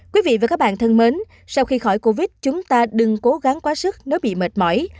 quý vị và các bạn thân mến sau khi khỏi covid chúng ta đừng cố gắng quá sức nếu bị mệt mỏi